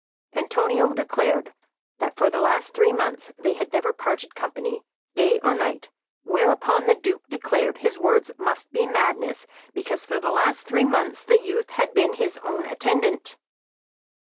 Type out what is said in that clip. Antonio declared that for the last three months they had never parted company, day or night, whereupon the Duke declared his words must be madness, because for the last three months the youth had been his own attendant.